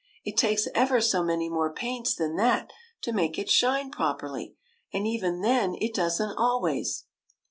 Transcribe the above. " It takes ever so many more paints than that to make it shine properly; and even then, it does n't always."